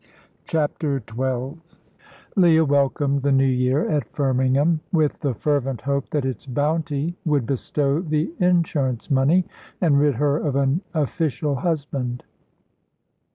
CHAPTER XII Leah welcomed the New Year at Firmingham, with the fervent hope that its bounty would bestow the insurance money, and rid her of an official husband.